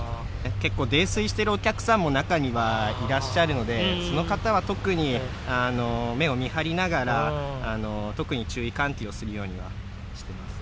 結構、泥酔しているお客さんも中にはいらっしゃるので、その方は特に目を見張りながら、特に注意喚起をするようにはしています。